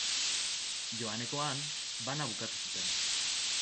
Joanekoan, bana bukatu zuten.